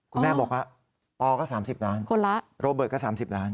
คุณแม่บอกว่าปอก็๓๐ล้านคนละโรเบิร์ตก็๓๐ล้าน